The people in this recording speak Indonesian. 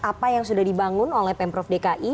apa yang sudah dibangun oleh pemprov dki